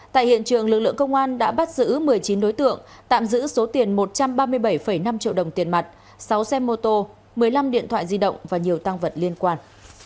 tại hiện trường lực lượng công an đã bắt giữ một mươi chín đối tượng tạm giữ số tiền một trăm ba mươi bảy năm triệu đồng tiền mặt sáu xe mô tô một mươi năm điện thoại di động và nhiều tăng vật liên quan